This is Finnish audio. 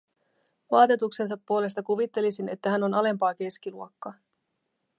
Vaatetuksensa puolesta kuvittelisin, että hän on alempaa keskiluokkaa.